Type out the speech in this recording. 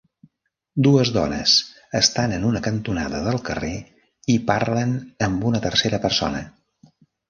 Dues dones estan en una cantonada del carrer i parlen amb una tercera persona